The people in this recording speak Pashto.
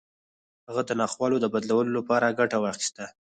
هغه د ناخوالو د بدلولو لپاره ګټه واخيسته.